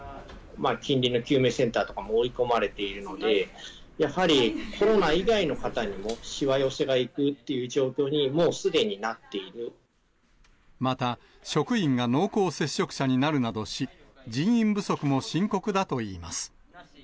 近隣の救命センターとかも追い込まれているので、やはりコロナ以外の方にもしわ寄せがいくっていう状況に、もうすまた、職員が濃厚接触者になるなどし、人員不足も深刻だといいます。